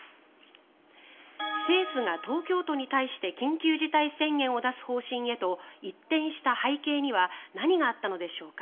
政府が東京都に対して緊急事態宣言を出す方針へと一転した背景には何があったのでしょうか。